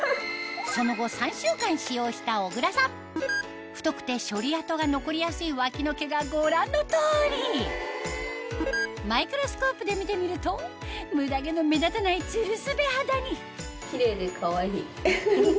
その後３週間使用した小倉さん太くて処理跡が残りやすいわきの毛がご覧の通りマイクロスコープで見てみるとムダ毛の目立たないツルスベ肌にキレイでかわいい。